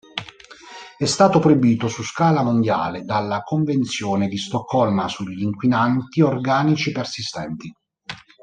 È stato proibito su scala mondiale dalla Convenzione di Stoccolma sugli inquinanti organici persistenti.